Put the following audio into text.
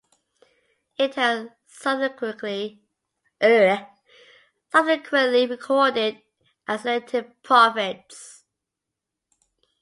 It has subsequently recorded accelerated profits.